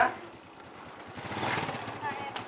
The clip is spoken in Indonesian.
tunggu nanti aku masuk